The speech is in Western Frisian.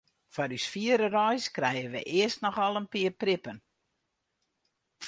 Foar ús fiere reis krije wy earst noch al in pear prippen.